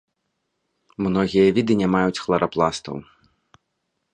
Многія віды не маюць хларапластаў.